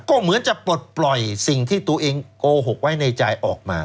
ก็เหมือนจะปลดปล่อยสิ่งที่ตัวเองโกหกไว้ในใจออกมา